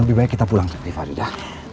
lebih baik kita pulang ke sini farida